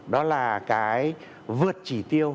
đó là cái vượt chỉ tiêu